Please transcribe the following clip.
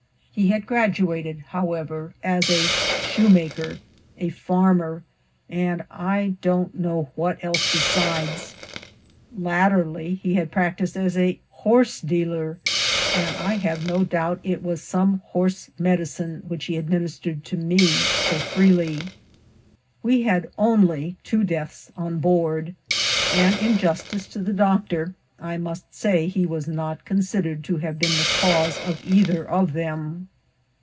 He had graduated, however, as a shoemaker, a farmer, and I don't know what else besides; latterly he had practised as a horse dealer, and I have no doubt it was some horse medicine which he adminis tered to me so freely. We had only two deaths on board, and in justice to the doctor, I must say he was not considered to have been the cause of either of them.